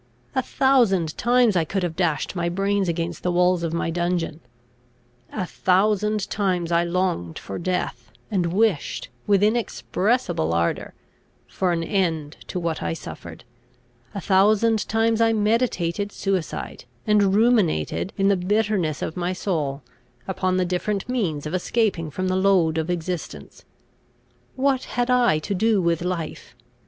A thousand times I could have dashed my brains against the walls of my dungeon; a thousand times I longed for death, and wished, with inexpressible ardour, for an end to what I suffered; a thousand times I meditated suicide, and ruminated, in the bitterness of my soul, upon the different means of escaping from the load of existence. What had I to do with life?